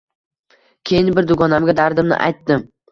Keyin bir dugonamga dardimni aytdim